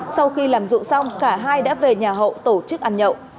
sau khi làm dụng xong cả hai đã về nhà hậu tổ chức ăn nhậu